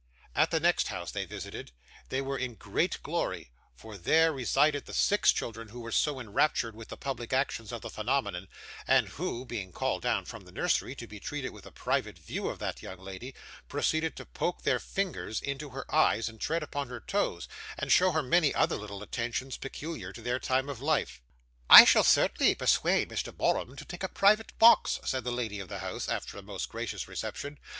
At the next house they visited, they were in great glory; for, there, resided the six children who were so enraptured with the public actions of the phenomenon, and who, being called down from the nursery to be treated with a private view of that young lady, proceeded to poke their fingers into her eyes, and tread upon her toes, and show her many other little attentions peculiar to their time of life. 'I shall certainly persuade Mr. Borum to take a private box,' said the lady of the house, after a most gracious reception.